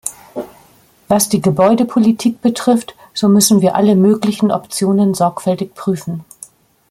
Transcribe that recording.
Was die Gebäudepolitik betrifft, so müssen wir alle möglichen Optionen sorgfältig prüfen.